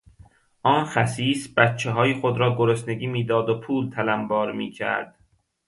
آن خسیس بچههای خود را گرسنگی میداد و پول تلنبار می کرد.